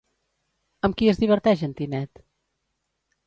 Amb qui es diverteix en Tinet?